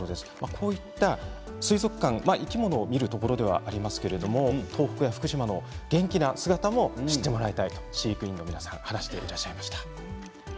こういった水族館、生き物を見るところではありますが東北や福島の元気な姿も知ってもらいたいと飼育員の皆さんが話していらっしゃいました。